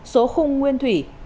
số khung nguyên thủy